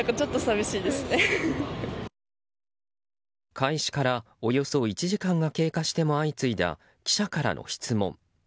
開始からおよそ１時間が経過しても相次いだ記者からの質問。